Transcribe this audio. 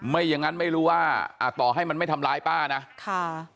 ไม่อย่างนั้นไม่รู้ว่าต่อให้มันไม่ทำร้ายป้านะ